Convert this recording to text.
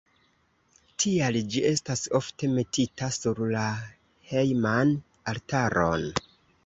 Tial ĝi estas ofte metita sur la hejman altaron.